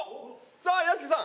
さあ屋敷さん。